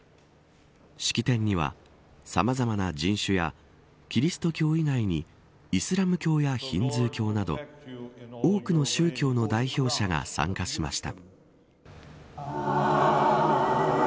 式典にはさまざまな人種やキリスト教以外にイスラム教やヒンズー教など多くの宗教の代表者が参加しました。